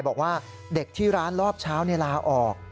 บอกว่าเด็กที่ร้านรอบเช้าลาออก